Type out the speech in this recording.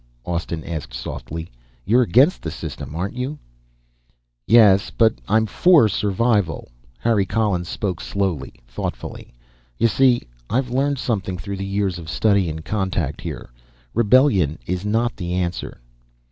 Austin asked, softly. "You're against the system, aren't you?" "Yes. But I'm for survival." Harry Collins spoke slowly, thoughtfully. "You see, I've learned something through the years of study and contact here. Rebellion is not the answer."